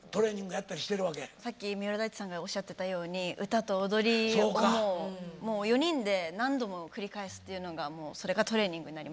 さっき三浦大知さんがおっしゃってたように歌と踊りをもう４人で何度も繰り返しっていうのがそれがトレーニングになります。